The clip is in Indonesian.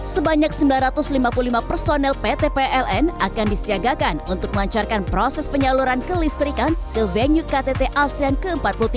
sebanyak sembilan ratus lima puluh lima personel pt pln akan disiagakan untuk melancarkan proses penyaluran kelistrikan ke venue ktt asean ke empat puluh tiga